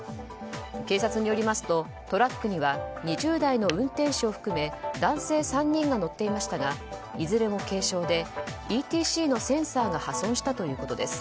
警察によりますとトラックには２０代の運転手を含め男性３人が乗っていましたがいずれも軽傷でＥＴＣのセンサーが破損したということです。